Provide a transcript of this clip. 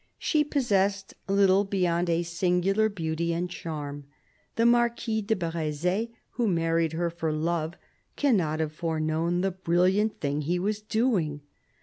She possessed little beyond a singular beauty and charm ; the Marquis de Breze, who married her for love, cannot have foreknown the brilliant thing he was doing.